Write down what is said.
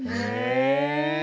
へえ！